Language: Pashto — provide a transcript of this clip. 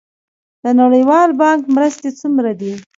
د نړیوال بانک مرستې څومره دي؟